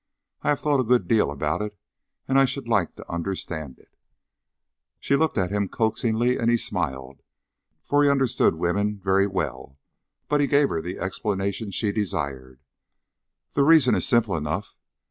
I have thought a good deal about it and I should like to understand it." She looked at him coaxingly, and he smiled, for he understood women very well; but he gave her the explanation she desired. "The reason is simple enough.